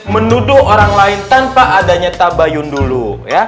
menuduh orang lain tanpa adanya tabayun dulu